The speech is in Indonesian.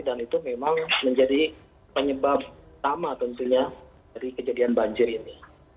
dan itu memang menjadi penyebab utama tentunya dari kejadian banjir ini